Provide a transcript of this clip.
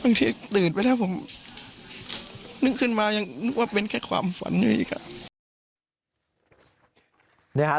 ที่ตื่นไปแล้วผมนึกขึ้นมายังนึกว่าเป็นแค่ความฝันอยู่อีกอ่ะ